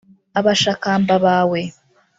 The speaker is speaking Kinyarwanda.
Abashakamba bawe